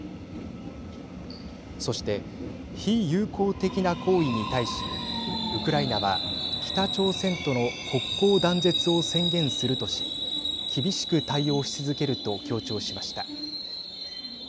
そして、非友好的な行為に対しウクライナは北朝鮮との国交断絶を宣言するとし厳しく対応し続けると強調しました。